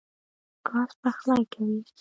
ګاز پخلی کوي.